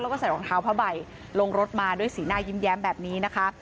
แล้วก็ใส่รองเท้าผ้าใบลงรถมาด้วยสีหน้ายิ้มแย้มแบบนี้นะคะ